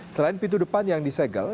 selain pintu depan yang disegel